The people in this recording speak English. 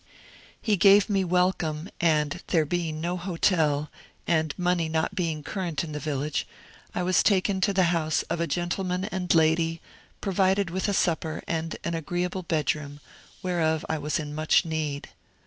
He gave me welcome and, there being no hotel, and money not being current in the village, I was taken to the house of a gentleman and lady, provided with a supper and an agree able bedroom, whereof I was in much need.